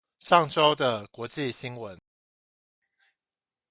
上週的國際新聞